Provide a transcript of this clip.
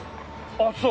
あっそう！